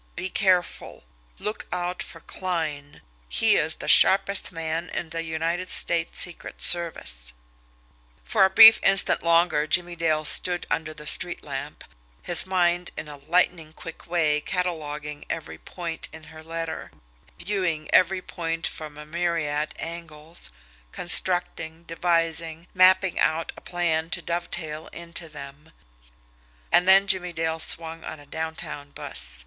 Be careful. Look out for Kline, he is the sharpest man in the United States secret service." For a brief instant longer, Jimmie Dale stood under the street lamp, his mind in a lightning quick way cataloguing every point in her letter, viewing every point from a myriad angles, constructing, devising, mapping out a plan to dove tail into them and then Jimmie Dale swung on a downtown bus.